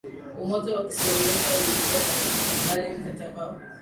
umoja wa kisovyeti ulitia saini kukubali mkataba huo